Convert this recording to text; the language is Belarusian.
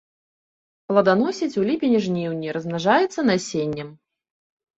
Плоданасіць у ліпені-жніўні, размнажаецца насеннем.